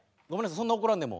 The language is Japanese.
そんな怒らんでも。